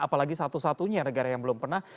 apalagi satu satunya negara yang belum pernah